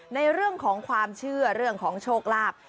ในเรื่องของความเชื่อเรื่องของโชคลาภ